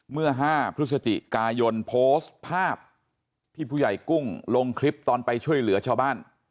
เมื่อ๕พฤศจิกายนโพสต์ภาพที่ผู้ใหญ่กุ้งลงคลิปตอนไปช่วยเหลือชาวบ้าน